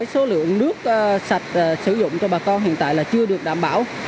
số lượng nước sạch sử dụng cho bà con hiện tại là chưa được đảm bảo